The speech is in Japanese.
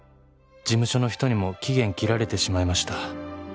「事務所の人にも期限切られてしまいました」